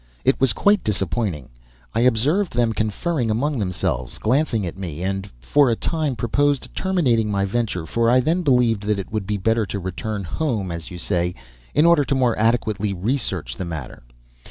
It was quite disappointing. I observed them conferring among themselves, glancing at me, and for a time proposed terminating my venture, for I then believed that it would be better to return "home," as you say, in order to more adequately research the matter.